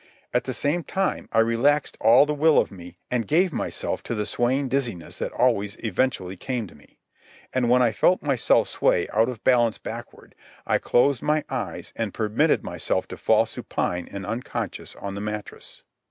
At the same time I relaxed all the will of me and gave myself to the swaying dizziness that always eventually came to me. And when I felt myself sway out of balance backward, I closed my eyes and permitted myself to fall supine and unconscious on the mattress.